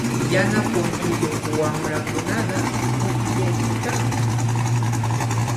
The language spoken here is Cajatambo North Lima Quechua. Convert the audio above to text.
Yana punchuyuq wamrakunaqa pukllaykanmi.